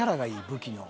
武器の。